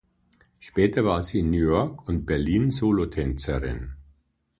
Später war sie in New York und Berlin Solotänzerin.